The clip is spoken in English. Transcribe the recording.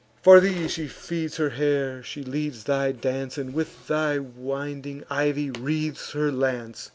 "For thee she feeds her hair, she leads thy dance, And with thy winding ivy wreathes her lance."